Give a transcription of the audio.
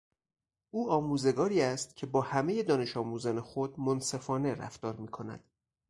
او آموزگاری است که با همهی دانشآموزان خود منصفانه رفتار میکند.